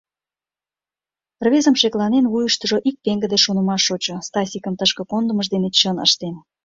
Рвезым шекланен, вуйыштыжо ик пеҥгыде шонымаш шочо: Стасикым тышке кондымыж дене чын ыштен.